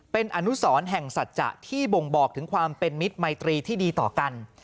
เป็นอนุสรแห่งสัจจะที่บ่งบอกถึงความเป็นมิตรมัยตรีที่ดีต่อกัน